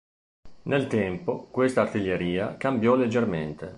Nel tempo, questa artiglieria cambiò leggermente.